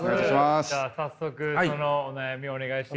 じゃあ早速そのお悩みをお願いしていいですか？